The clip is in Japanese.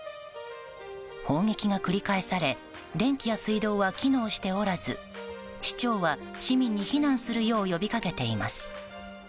砲撃が繰り返され電気や水道は機能しておらず市長は市民に避難するよう呼び掛けています。